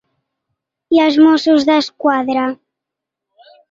I els mossos d’esquadra?